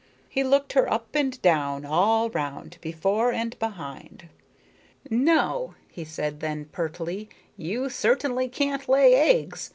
He looked her up and down, all round, before and behind. "No," he said then, pertly, "you certainly can't lay eggs.